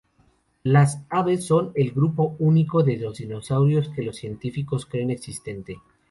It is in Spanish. Las aves son el grupo único de los dinosaurios que los científicos creen existente.